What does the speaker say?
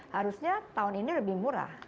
harusnya tahun ini lebih murah